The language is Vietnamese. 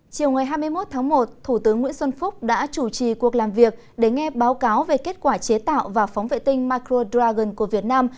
chiều ngày hai mươi một tháng một thủ tướng nguyễn xuân phúc đã chủ trì cuộc làm việc để nghe báo cáo về kết quả chế tạo và phóng vệ tinh micro dragon của việt nam